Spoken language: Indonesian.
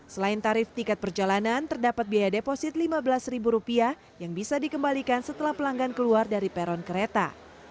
selain tarif tiket perjalanan terdapat biaya deposit rp lima belas yang bisa dikembalikan setelah pelanggan keluar dari peron kereta